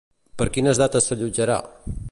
Per quines dates s'allotjarà?